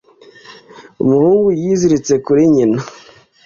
Umuhungu yiziritse kuri nyina.